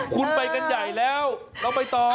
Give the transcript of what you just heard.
คุณไปกันใหญ่แล้วเราไปตอง